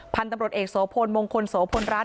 พันธุ์ตำรวจเอกโสพลมงคลโสพลรัฐ